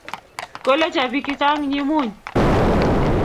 kolecho bik chichang nyimuny